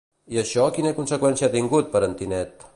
I això quina conseqüència ha tingut per en Tinet?